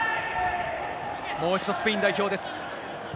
もう一度、スペイン代表です。